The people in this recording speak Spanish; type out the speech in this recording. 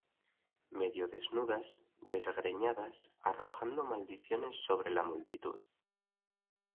medio desnudas, desgreñadas , arrojando maldiciones sobre la multitud